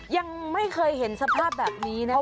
ยังไม่เคยเห็นสภาพแบบนี้นะคะ